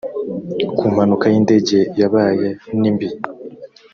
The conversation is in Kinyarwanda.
ku mpanuka y indege yabaye nimbi